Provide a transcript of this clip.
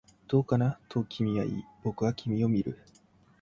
どうかな、と君は言い、僕は君を見る